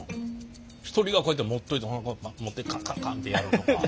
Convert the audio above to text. １人がこうやって持っといて持ってカンカンカンッてやるとか。